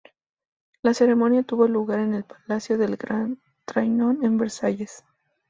La ceremonia tuvo lugar en el palacio del Gran Trianón en Versalles.